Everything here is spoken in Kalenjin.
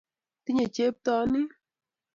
Tinyei cheptonin ----